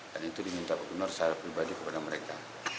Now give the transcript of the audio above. dan itu diminta pak gubernur secara pribadi kepada mereka